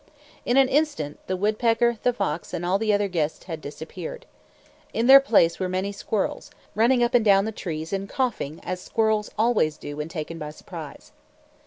In an instant, the woodpecker, the fox, and all the other guests had disappeared. In their place were many squirrels, running up and down the trees and coughing as squirrels always do when taken by surprise.